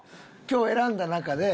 今日選んだ中で。